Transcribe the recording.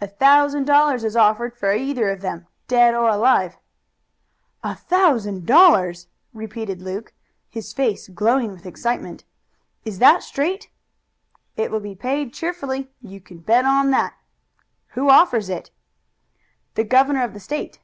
"A thousand dollars is offered for either of them, dead or alive." "A thousand dollars!" repeated Luke, his face glowing with excitement. "Is that straight?" "It will be paid cheerfully. You can bet on that." "Who offers it?" "The governor of the State."